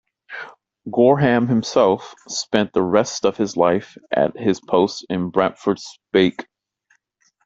Gorham himself spent the rest of his life at his post in Brampford Speke.